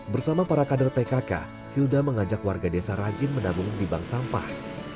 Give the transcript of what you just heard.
bersama para kader pkk hilda mengajak warga desa rajin menabung di bank sampah